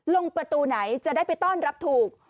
ลงประตูไหนจะได้ไปต้อนรับถูก